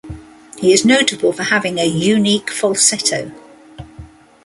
He is notable for having a unique falsetto.